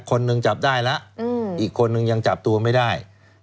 คนหนึ่งจับได้แล้วอีกคนนึงยังจับตัวไม่ได้